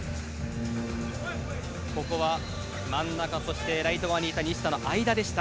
ここは真ん中そしてライト側にいた西田の間でした。